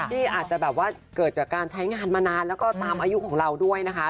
ที่อาจจะแบบว่าเกิดจากการใช้งานมานานแล้วก็ตามอายุของเราด้วยนะคะ